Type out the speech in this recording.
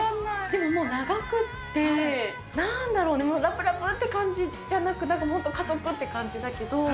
でももう長くって、なんだろう、でもラブラブって感じじゃなく、もっと家族っていう感じだけど。